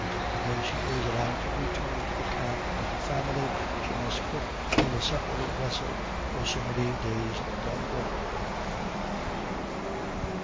And when she is allowed to return to the camp of the family, she must cook in a separate vessel for so many days longer.